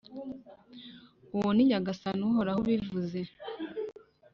Uwo ni Nyagasani Uhoraho ubivuze.